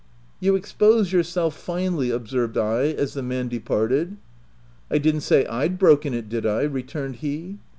" You expose yourself finely/' observed I as the man departed. "I didn't say Pd broken it, did I?" re turned he.